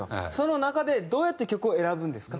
その中でどうやって曲を選ぶんですか？